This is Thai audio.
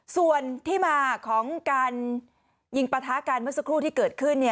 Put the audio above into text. ส่วนที่มาของการยิงปะทะกันเมื่อสักครู่ที่เกิดขึ้น